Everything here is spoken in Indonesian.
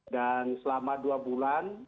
dan selama dua bulan